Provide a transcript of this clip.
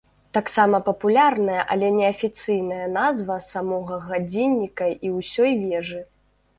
Таксама папулярная, але неафіцыйная назва самога гадзінніка і ўсёй вежы.